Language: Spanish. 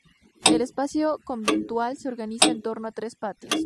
El espacio conventual se organiza en torno a tres patios.